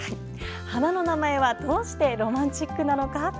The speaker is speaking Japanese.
花の名前はどうしてロマンチックなのか？